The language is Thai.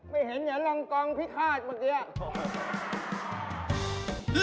ไม่เห็นอย่าลองกองพิฆาตเมื่อกี้